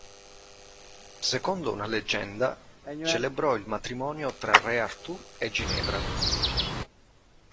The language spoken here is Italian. Secondo una leggenda, celebrò il matrimonio tra re Artù e Ginevra.